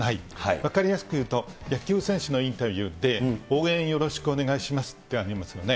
分かりやすく言うと、野球選手のインタビューで、応援よろしくお願いしますっていうのありますよね。